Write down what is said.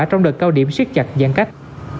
trong đợt cao điểm siết chặt giãn cách